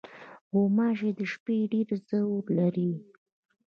غوماشې د شپې ډېر زور لري.